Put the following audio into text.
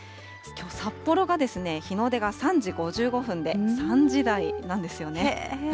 きょう、札幌が日の出が３時５５分で３時台なんですよね。